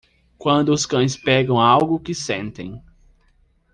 Quando os cães pegam algo que sentem.